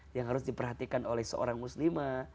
yang harus diperhatikan oleh seorang muslimah